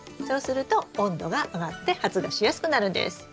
そうすると温度が上がって発芽しやすくなるんです。